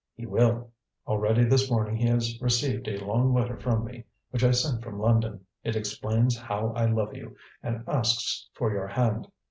"He will. Already this morning he has received a long letter from me, which I sent from London. It explains how I love you, and asks for your hand."